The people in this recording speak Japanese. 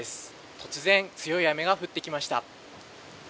突然、強い雨が降ってきました。